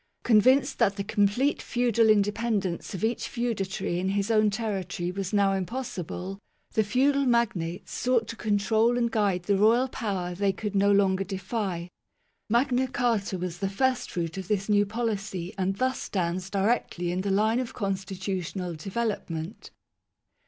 Convinced that the complete feudal independence of each feudatory in his own territory was now impossible, the feudal magnates sought to control and guide the royal power they could no longer defy. Magna Carta was the firstfruit of this new policy, and thus stands directly in the line of con stitutional development.